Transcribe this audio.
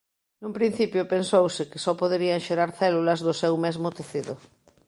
Nun principio pensouse que só poderían xerar células do seu mesmo tecido.